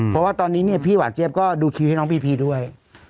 เพราะว่าตอนนี้เนี่ยพี่หวาดเจี๊ยบก็ดูคิวให้น้องพีพีด้วย